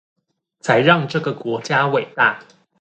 才讓這個國家偉大